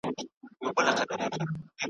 له نیکونو ورته پاته همدا کور وو .